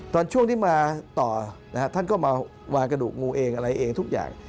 ตอนช่วงที่มาต่อท่านก็มาวางกระดูกงูเองอะไรเองทุกอย่าง